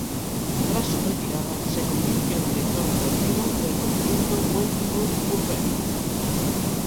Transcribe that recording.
Tras su retirada se convirtió en director deportivo del conjunto Wanty-Groupe Gobert.